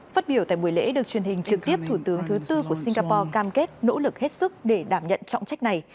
phát biểu tại buổi lễ được truyền hình trực tiếp thủ tướng thứ tư của singapore cam kết nỗ lực hết sức để đảm nhận trọng trách này